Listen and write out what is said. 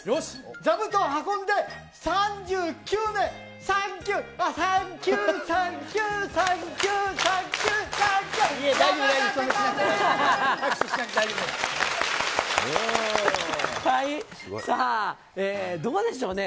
座布団運んで３９年、サンキュー、サンキュー、サンキュー、さあ、どうでしょうね。